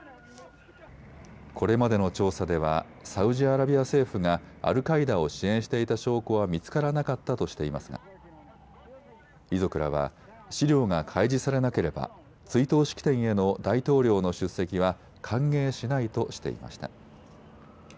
これまでの調査ではサウジアラビア政府がアルカイダを支援していた証拠は見つからなかったとしていますが遺族らは資料が開示されなければ追悼式典への大統領の出席は歓迎しないとしていました。